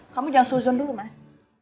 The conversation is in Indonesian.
kamu jangan suzon dulu mas